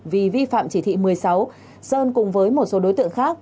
vì vi phạm chỉ thị một mươi sáu sơn cùng với một số đối tượng khác